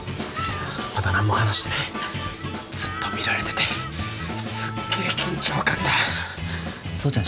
まだ何も話してないずっと見られててすっげえ緊張感だ蒼ちゃん